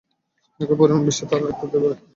একই পরিমাণ বিশ্বাস তারা ডাক্তারদেরও করে।